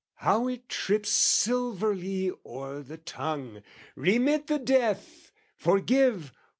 How it trips Silverly o'er the tongue! "Remit the death! "Forgive...